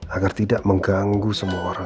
agar tidak mengganggu semua orang